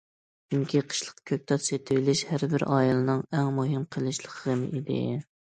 چۈنكى قىشلىق كۆكتات سېتىۋېلىش ھەر بىر ئائىلىنىڭ ئەڭ مۇھىم قىشلىق غېمى ئىدى.